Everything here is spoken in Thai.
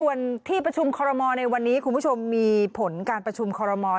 ส่วนที่ประชุมคอรมอลในวันนี้คุณผู้ชมมีผลการประชุมคอรมอล